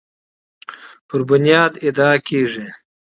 پر بنیاد ادعا کیږي